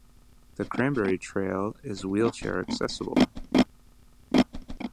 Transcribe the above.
The Cranberry Trail is wheelchair-accessible.